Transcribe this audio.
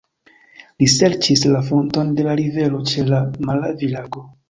Li serĉis la fonton de la rivero ĉe la Malavi-lago.